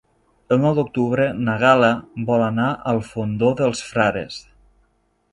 El nou d'octubre na Gal·la vol anar al Fondó dels Frares.